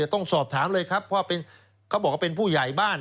ต้องสอบถามเลยครับเพราะเขาบอกว่าเป็นผู้ใหญ่บ้าน